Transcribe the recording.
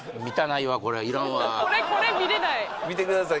これこれ見れない見てください